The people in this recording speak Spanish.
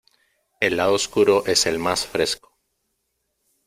El lado oscuro es el más fresco.